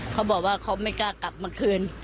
เขาบอกว่าเขาไม่กล้ากลับมาคืน